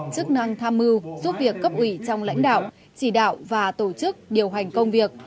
chức năng tham mưu giúp việc cấp ủy trong lãnh đạo chỉ đạo và tổ chức điều hành công việc